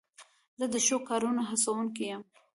زه د ښو کارونو هڅوونکی یم.